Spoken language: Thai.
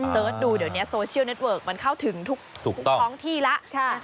เสิร์ชดูเดี๋ยวนี้โซเชียลเน็ตเวิร์กมันเข้าถึงทุกท้องที่แล้ว